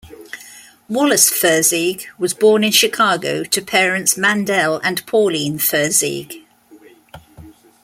Wallace Feurzeig was born in Chicago to parents Mandel and Pauline Feurzeig.